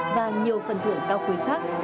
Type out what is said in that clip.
và nhiều phần thưởng cao quý khác